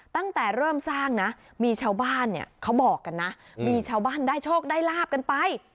ตั้งแต่เริ่มสร้างนะมีชาวบ้านเนี่ยเขาบอกกันนะมีชาวบ้านได้โชคได้ลาบกันไป